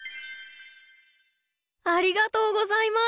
ありがとうございます。